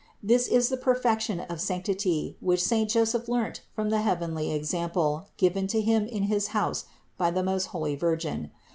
This is the perfection of sanctity, which saint Joseph learnt from the heavenly example given to him in his house by the most holy Virgin.